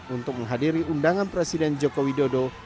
untuk menghadiri undangan presiden jokowi dodo